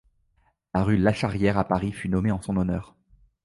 La rue Lacharrière à Paris fut nommée en son honneur.